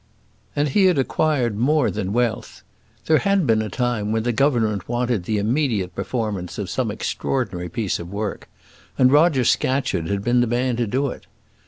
And he had acquired more than wealth. There had been a time when the Government wanted the immediate performance of some extraordinary piece of work, and Roger Scatcherd had been the man to do it.